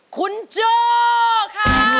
คุณโจ้ค่ะ